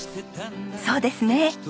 そうですね。